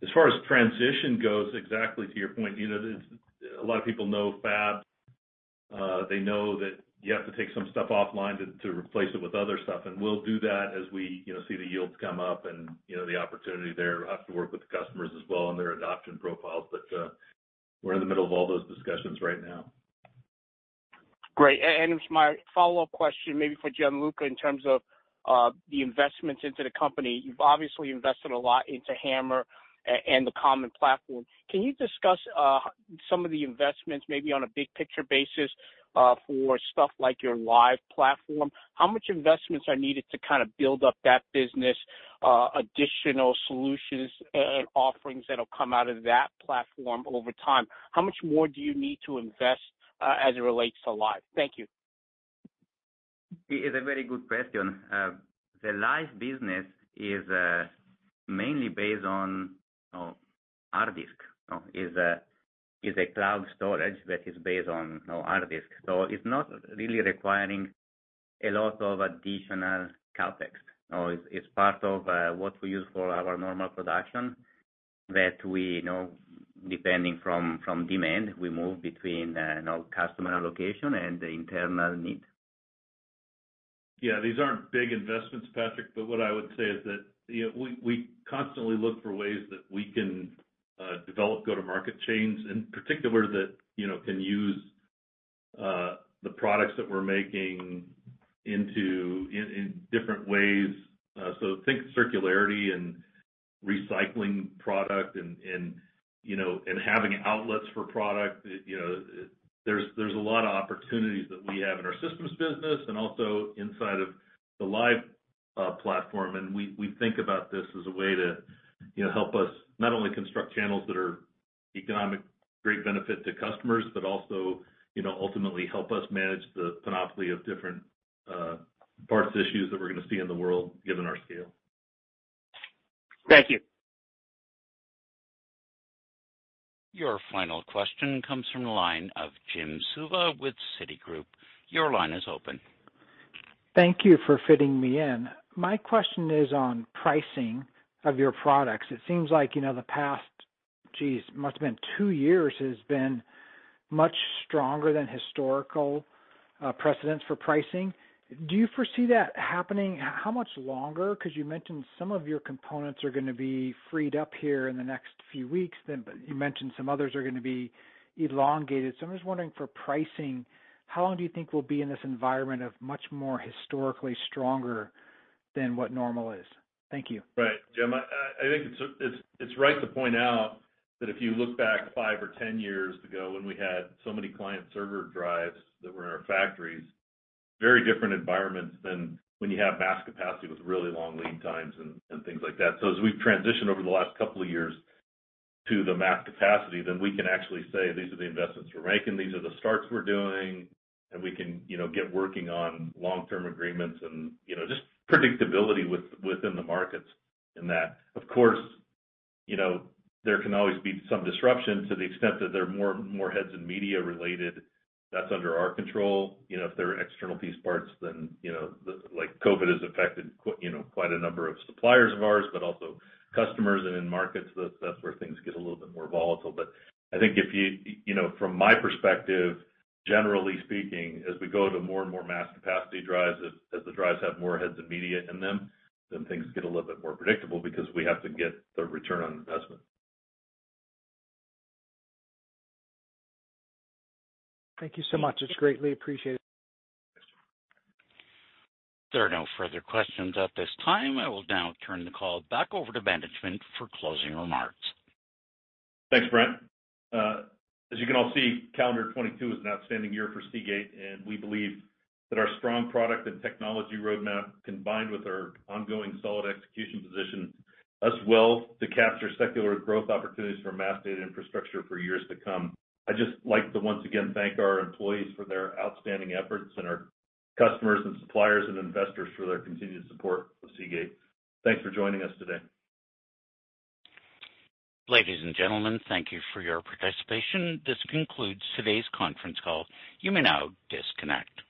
As far as transition goes, exactly to your point. You know, a lot of people know fab. They know that you have to take some stuff offline to replace it with other stuff, and we'll do that as we, you know, see the yields come up and, you know, the opportunity there. We'll have to work with the customers as well and their adoption profiles. We're in the middle of all those discussions right now. Great. My follow-up question maybe for Gianluca in terms of the investments into the company. You've obviously invested a lot into HAMR and the common platform. Can you discuss some of the investments maybe on a big picture basis? For stuff like your Lyve platform, how much investments are needed to kind of build up that business, additional solutions and offerings that'll come out of that platform over time? How much more do you need to invest as it relates to Lyve? Thank you. It is a very good question. The Lyve business is mainly based on, you know, hard disk. It is a cloud storage that is based on, you know, hard disk. So it's not really requiring a lot of additional CapEx. You know, it's part of what we use for our normal production that we, you know, depending from demand, we move between, you know, customer location and the internal need. These aren't big investments, Patrick, but what I would say is that, you know, we constantly look for ways that we can develop go-to-market chains, in particular that, you know, can use the products that we're making in different ways. So think circularity and recycling product and, you know, and having outlets for product. You know, there's a lot of opportunities that we have in our systems business and also inside of the Lyve platform. We think about this as a way to, you know, help us not only construct channels that are of great economic benefit to customers, but also, you know, ultimately help us manage the panoply of different parts issues that we're gonna see in the world given our scale. Thank you. Your final question comes from the line of Jim Suva with Citigroup. Your line is open. Thank you for fitting me in. My question is on pricing of your products. It seems like, you know, the past, geez, must have been two years has been much stronger than historical precedents for pricing. Do you foresee that happening? How much longer? 'Cause you mentioned some of your components are gonna be freed up here in the next few weeks, then you mentioned some others are gonna be elongated. I'm just wondering for pricing, how long do you think we'll be in this environment of much more historically stronger than what normal is? Thank you. Right. Jim, I think it's right to point out that if you look back five or 10 years ago when we had so many client server drives that were in our factories, very different environments than when you have mass capacity with really long lead times and things like that. As we've transitioned over the last couple of years to the mass capacity, then we can actually say, these are the investments we're making, these are the starts we're doing, and we can, you know, get working on long-term agreements and, you know, just predictability within the markets in that. Of course, you know, there can always be some disruption to the extent that there are more heads and media related that's under our control. You know, if there are external piece parts then, you know, like COVID has affected you know, quite a number of suppliers of ours, but also customers and in markets, that's where things get a little bit more volatile. I think if you know, from my perspective, generally speaking, as we go to more and more mass capacity drives, as the drives have more heads and media in them, then things get a little bit more predictable because we have to get the return on investment. Thank you so much. It's greatly appreciated. There are no further questions at this time. I will now turn the call back over to management for closing remarks. Thanks, Brent. As you can all see, calendar 2022 is an outstanding year for Seagate, and we believe that our strong product and technology roadmap, combined with our ongoing solid execution positions us well to capture secular growth opportunities for mass data infrastructure for years to come. I'd just like to once again thank our employees for their outstanding efforts and our customers and suppliers and investors for their continued support of Seagate. Thanks for joining us today. Ladies and gentlemen, thank you for your participation. This concludes today's conference call. You may now disconnect.